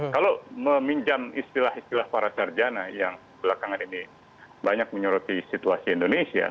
kalau meminjam istilah istilah para sarjana yang belakangan ini banyak menyoroti situasi indonesia